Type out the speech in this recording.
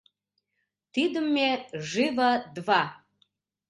— Тидым ме — живо-два!